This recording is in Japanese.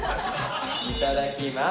いただきます。